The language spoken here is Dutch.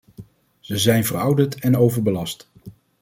Ze zijn verouderd en overbelast.